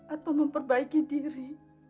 atau memperbaiki diri